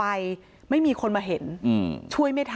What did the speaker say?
อาบน้ำเป็นจิตเที่ยว